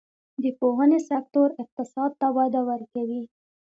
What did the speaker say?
د پوهنې سکتور اقتصاد ته وده ورکوي